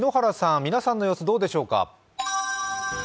皆さんの様子、どうでしょうか？